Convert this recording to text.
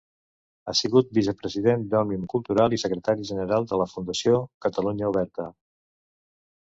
Ha sigut vicepresident d'Òmnium Cultural i secretari general de la Fundació Catalunya Oberta.